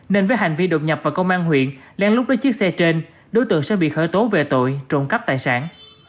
nên với hành vi đột nhập vào công an huyện lén lút đến chiếc xe trên đối tượng sẽ bị khởi tố về tội trộn cắp tài sản